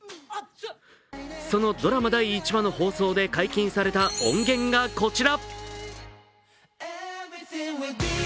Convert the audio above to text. そのドラマ第１話の放送で解禁された音源がこちら。